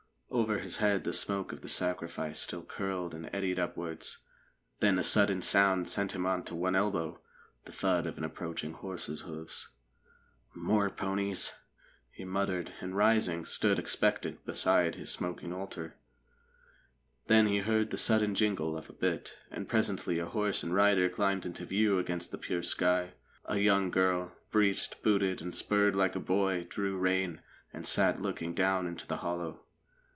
Over his head the smoke of the sacrifice still curled and eddied upwards. Then a sudden sound sent him on to one elbow the thud of an approaching horse's hoofs. "Moor ponies!" he muttered, and, rising, stood expectant beside his smoking altar. Then he heard the sudden jingle of a bit, and presently a horse and rider climbed into view against the pure sky. A young girl, breeched, booted and spurred like a boy, drew rein, and sat looking down into the hollow.